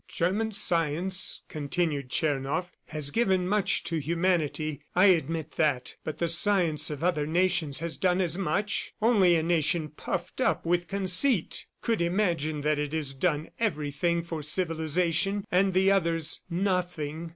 "German science," continued Tchernoff, "has given much to humanity, I admit that; but the science of other nations has done as much. Only a nation puffed up with conceit could imagine that it has done everything for civilization, and the others nothing.